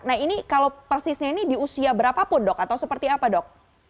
nah ini kalau persisnya ini di usia berapapun dok atau seperti apa dok